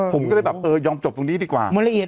ผมก็เลยแบบเออยอมจบตรงนี้ดีกว่า